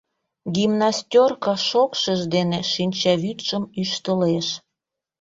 Гимнастёрко шокшыж дене шинчавӱдшым ӱштылеш.